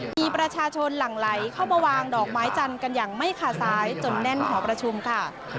มีประชาชนหลั่งไหลเข้ามาวางดอกไม้จันทร์กันอย่างไม่ขาดสายจนแน่นหอประชุมค่ะ